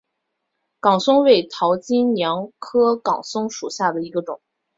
岗松为桃金娘科岗松属下的一个种。